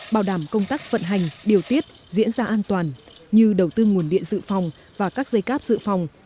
bảo đảm công tác vận hành điều tiết diễn ra an toàn như đầu tư nguồn điện dự phòng và các dây cáp dự phòng